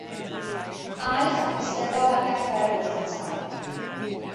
Aeth ac eisteddodd ar gadair wrth y tân.